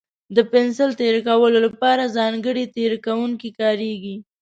د پنسل تېره کولو لپاره ځانګړی تېره کوونکی کارېږي.